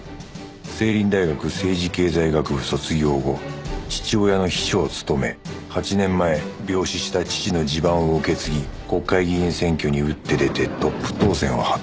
聖林大学政治経済学部卒業後父親の秘書を務め８年前病死した父の地盤を受け継ぎ国会議員選挙に打って出てトップ当選を果たす